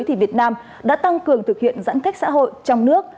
thì việt nam đã tăng cường thực hiện giãn cách xã hội trong nước